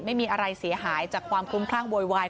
ไม่มีอะไรเสียหายจากความคุ้มคลั่งโวยวาย